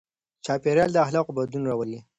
چاپېريال د اخلاقو بدلون راولي.